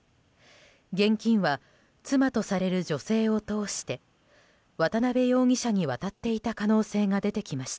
現金は妻とされる女性を通して渡邉容疑者に渡っていた可能性が出てきました。